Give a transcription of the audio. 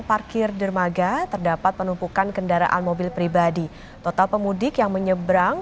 parkir dermaga terdapat penumpukan kendaraan mobil pribadi total pemudik yang menyeberang